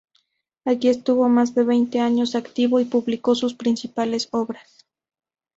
Aquí estuvo más de veinte años activo y publicó sus principales obras.